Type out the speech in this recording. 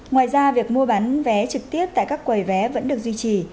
ngoài ra việc mua bán vé trực tiếp tại các quầy vé vẫn được duy trì